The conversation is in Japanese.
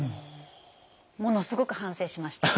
ものすごく反省しました。